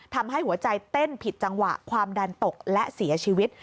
ทำให้หัวใจเต้นผิดจังหวะความดันตกและเสียชีวิต